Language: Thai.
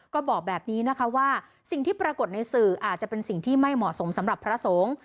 ก็บอกแบบนี้นะคะว่าสิ่งที่ปรากฏในสื่ออาจจะเป็นสิ่งที่ไม่เหมาะสมสำหรับพระสงฆ์